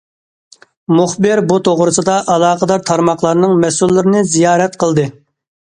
مۇخبىر بۇ توغرىسىدا ئالاقىدار تارماقلارنىڭ مەسئۇللىرىنى زىيارەت قىلدى.